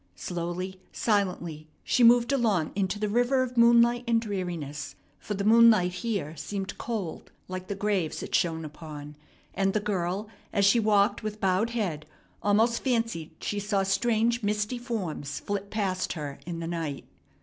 Slowly, silently, she moved along into the river of moonlight and dreariness; for the moonlight here seemed cold, like the graves it shone upon, and the girl, as she walked with bowed head, almost fancied she saw strange misty forms flit past her in the night.